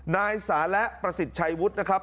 นายสาระประสิทธิ์ชัยวุฒินะครับ